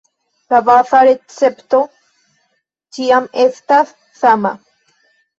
La baza recepto ĉiam estas sama.